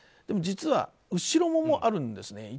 でも実は、後ろもあるんですね。